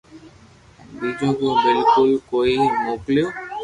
ھين ٻيجو ڪنو بلڪول ڪوئي موگتو